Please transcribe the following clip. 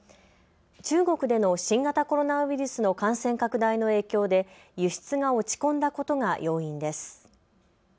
中国での新型コロナウイルスの感染拡大の影響で輸出が落ち込んだことが要因です。